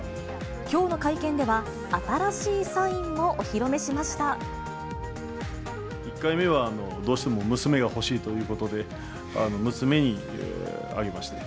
きょうの会見では、新しいサイン１回目は、どうしても娘が欲しいということで、娘にあげました。